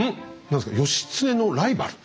何ですか義経のライバル？